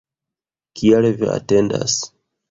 Kial vi atendas?